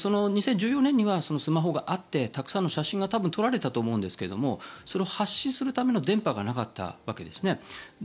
２０１４年にはスマホがあってたくさんの写真が多分撮られたと思うんですがそれを発信するための電波がなかったわけですね。